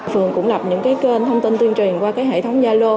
phường cũng lập những cái kênh thông tin tuyên truyền qua cái hệ thống gia lô